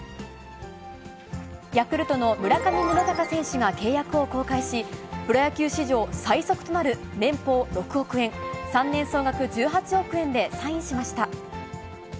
ヤクルトの村上宗隆選手が契約を更改し、プロ野球史上最速となる年俸６億円、３年総額１８億円でサインしました。